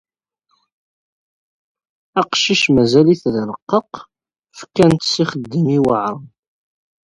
Aqcic mazal-it d aleqqaq, fkan-t s ixeddim yewɛren.